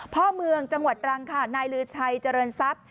พ่อเมืองจังหวัดตรังค่ะนายลือชัยเจริญทรัพย์